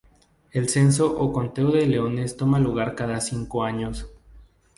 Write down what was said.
El censo o conteo de leones toma lugar cada cinco años.